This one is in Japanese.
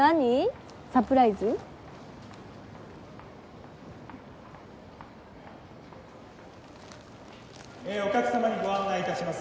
サプライズ？お客さまにご案内いたします。